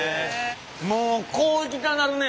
もうこういきたなるね。